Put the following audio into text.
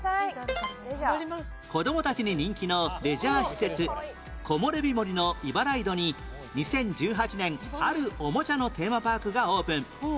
子供たちに人気のレジャー施設こもれび森のイバライドに２０１８年あるおもちゃのテーマパークがオープン